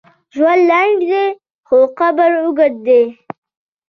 ژوند لنډ دی، خو قبر اوږد دی.